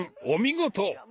お見事！